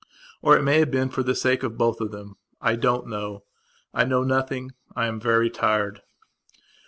Or it may have been for the sake of both of them. I don't know. I know nothing. I am very tired.